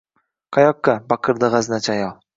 – Qayoqqa?! – baqirdi gʻaznachi ayol.